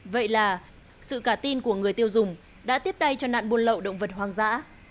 vậy là sự cả tin của người tiêu dùng đã tiếp tay cho nạn buôn lậu động vật hoang dã